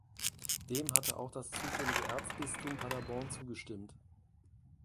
Dem hatte auch das zuständige Erzbistum Paderborn zugestimmt.